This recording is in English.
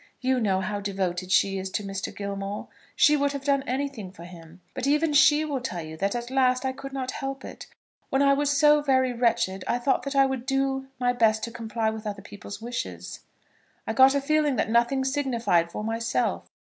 You know how devoted she is to Mr. Gilmore. She would have done anything for him. But even she will tell you that at last I could not help it. When I was so very wretched I thought that I would do my best to comply with other people's wishes. I got a feeling that nothing signified for myself.